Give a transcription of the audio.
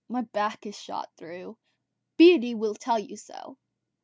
My back is shot through. Beatty will tell you so."